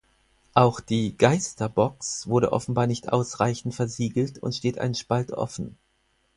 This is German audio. Auch die „Geisterbox“ wurde offenbar nicht ausreichend versiegelt und steht einen Spalt offen.